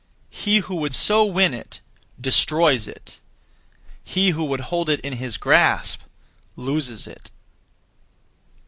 He who would so win it destroys it; he who would hold it in his grasp loses it.